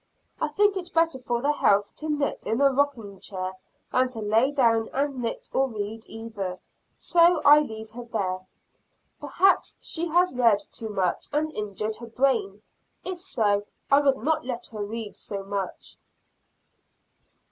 I think it better for her health to knit in the rocking chair than to lay down and knit or read either, so I leave her there. Perhaps she has read too much and injured her brain; if so, I would not let her read so much.